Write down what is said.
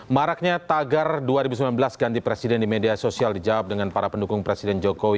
maraknya tagar dua ribu sembilan belas ganti presiden di media sosial dijawab dengan para pendukung presiden jokowi